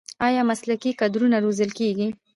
آیا مسلکي کادرونه روزل کیږي؟